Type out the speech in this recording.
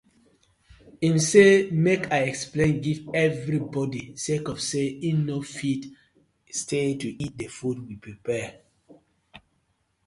Im say mek I explain giv everi bodi sake of say im no fit stay to eat the food we prapare.